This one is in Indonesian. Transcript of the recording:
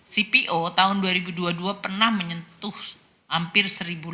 cpo tahun dua ribu dua puluh dua pernah menyentuh hampir satu dua ratus